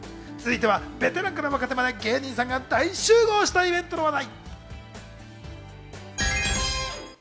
続いてはベテランから若手まで芸人さんが大集合したイベントの話題。